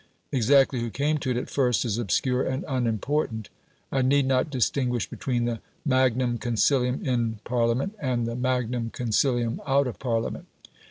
Exactly who came to it at first is obscure and unimportant. I need not distinguish between the "magnum concilium in Parliament" and the "magnum concilium out of Parliament".